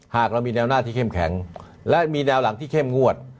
หากเรามีแนวหน้าที่เข้มแข็งและมีแนวหลังที่เข้มงวด